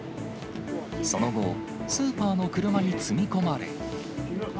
その後、スーパーの車に積み込まれ。